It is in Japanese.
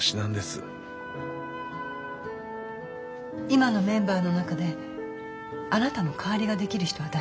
今のメンバーの中であなたの代わりができる人は誰？